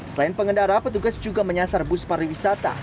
selain pengendara petugas juga menyasar bus pariwisata